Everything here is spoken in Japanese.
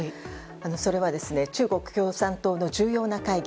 それは、中国共産党の重要な会議